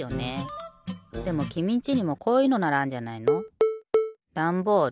でもきみんちにもこういうのならあんじゃないの？